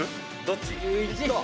どっち？」